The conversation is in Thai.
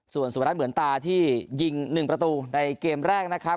ส่วนสุพนัทเหมือนตาที่ยิง๑ประตูในเกมแรกนะครับ